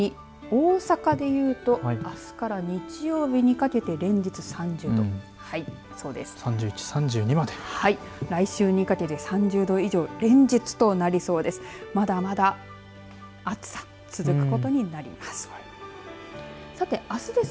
来週にかけて３０度以上連日となりそうです。